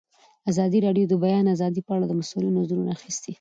ازادي راډیو د د بیان آزادي په اړه د مسؤلینو نظرونه اخیستي.